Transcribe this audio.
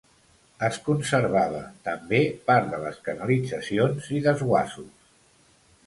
Es conservava, també, part de les canalitzacions i desguassos.